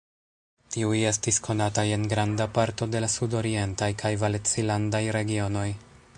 Tiuj estis konataj en granda parto de la sudorientaj kaj valencilandaj regionoj.